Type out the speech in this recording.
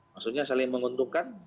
maksudnya saling menguntungkan